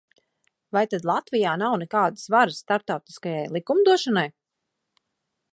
Vai tad Latvijā nav nekādas varas starptautiskajai likumdošanai?